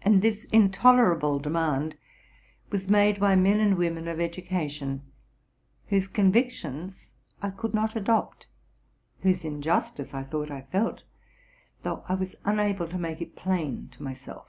And this intolerable demand was made by men and women of education, whose convictions IT could not adopt, whose injustice I thought I felt, though I was unable to make it plain to myself.